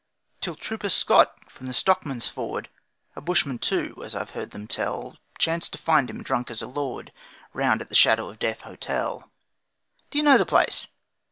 Till Trooper Scott, from the Stockman's Ford A bushman, too, as I've heard them tell Chanced to find him drunk as a lord Round at the Shadow of Death Hotel. D'you know the place?